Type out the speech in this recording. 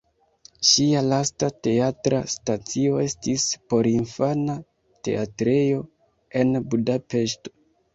Ŝia lasta teatra stacio estis porinfana teatrejo en Budapeŝto.